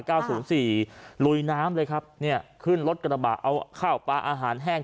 ศูนย์สี่ลุยน้ำเลยครับเนี่ยขึ้นรถกระบะเอาข้าวปลาอาหารแห้ง